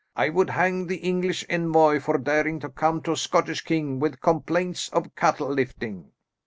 I would hang the English envoy for daring to come to a Scottish king with complaints of cattle lifting."